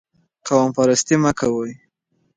قوم پرستي مه کوئ.